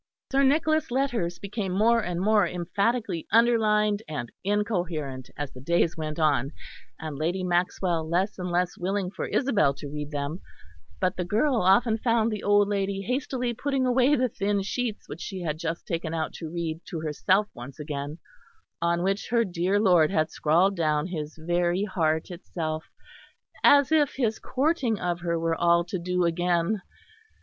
Sir Nicholas' letters became more and more emphatically underlined and incoherent as the days went on, and Lady Maxwell less and less willing for Isabel to read them; but the girl often found the old lady hastily putting away the thin sheets which she had just taken out to read to herself once again, on which her dear lord had scrawled down his very heart itself, as if his courting of her were all to do again.